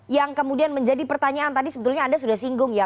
yang kemudian menjadi pertanyaan tadi sebetulnya anda sudah singgung ya